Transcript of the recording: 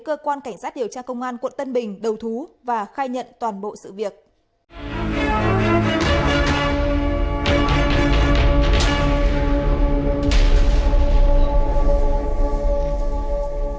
cơ quan cảnh sát điều tra công an quận tân bình tp hcm cho biết hiện đang khẩn trương điều tra làm rõ nhóm đối tượng gây dối trật tự công cộng